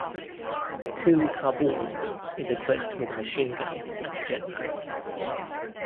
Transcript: Ku-Kabul is equipped with a machine gun and a jetpack.